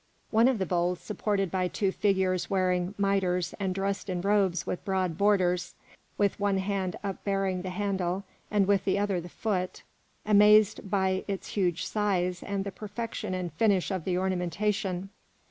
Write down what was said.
One of the bowls, supported by two figures wearing mitres and dressed in robes with broad borders, with one hand upbearing the handle and with the other the foot, amazed by its huge size and the perfection and finish of the ornamentation.